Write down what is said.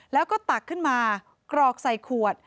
แล้วก็ตักขึ้นมากรอกใส่ขวด